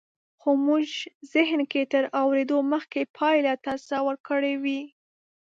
خو مونږ زهن کې تر اورېدو مخکې پایله تصور کړې وي